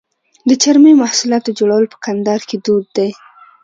د چرمي محصولاتو جوړول په کندهار کې دود دي.